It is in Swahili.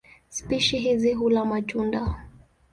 Spishi hizi hula matunda.